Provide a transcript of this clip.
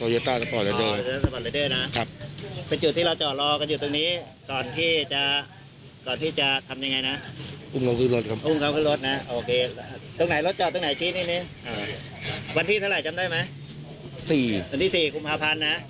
เราเป็นคนรับอยู่ที่รถ